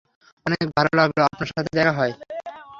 অনেক ভাল লাগল আপনার সাথে দেখা হয়ে।